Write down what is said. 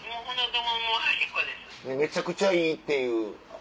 めちゃくちゃいいっていう。